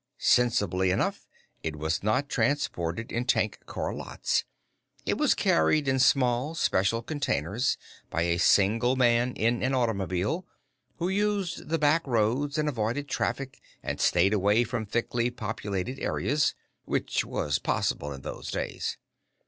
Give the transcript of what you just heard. Sensibly enough, it was not transported in tank car lots; it was carried in small special containers by a single man in an automobile, who used the back roads and avoided traffic and stayed away from thickly populated areas which was possible in those days.